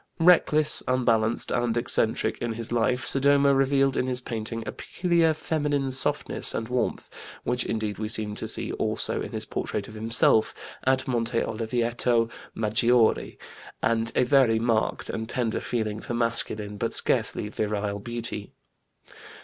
Reckless, unbalanced, and eccentric in his life, Sodoma revealed in his painting a peculiar feminine softness and warmth which indeed we seem to see also in his portrait of himself at Monte Oliveto Maggiore and a very marked and tender feeling for masculine, but scarcely virile, beauty.